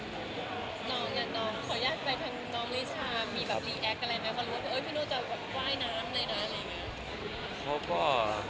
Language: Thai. น้องยังขออนุญาตไปทางน้องลิชามีแบบรีแอคอะไรมั้ยว่าพี่น้องจะว่ายน้ำด้วยนะ